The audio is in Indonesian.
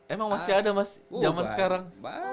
emang masih ada mas zaman sekarang